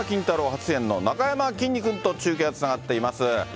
初主演のなかやまきんに君と中継がつながっています。